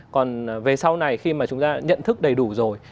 còn về sau này khi mà chúng ta nhận thức đầy đủ rồi